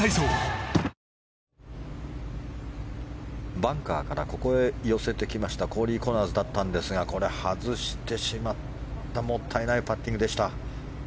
バンカーからここへ寄せてきましたコーリー・コナーズだったんですがこれ外してしまったもったいないパッティングでした。